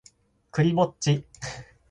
クリぼっち